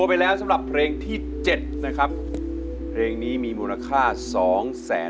คือกำลังใจจากลูกสาว